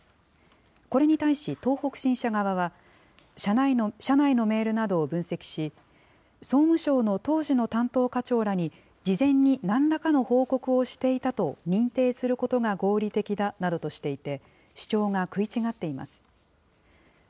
これに対し東北新社側は、社内のメールなどを分析し、総務省の当時の担当課長らに、事前になんらかの報告をしていたと認定することが合理的だなどとしていて、主張が食い違っています。